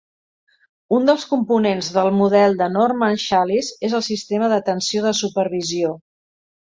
Un dels components del model de Norman-Shallice és el sistema d'atenció de supervisió.